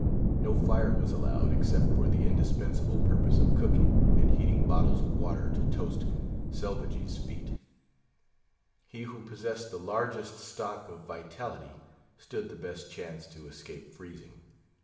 No fire was allowed, except for the indispensable purpose of cooking, and heating bottles of water to toast Selvagee's feet. He who possessed the largest stock of vitality, stood the best chance to escape freezing.